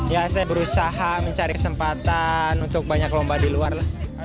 ya saya berusaha mencari kesempatan untuk banyak lomba di luar lah